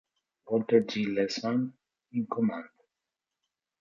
Walter G. Lessman in command.